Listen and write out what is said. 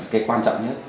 cái quan trọng nhất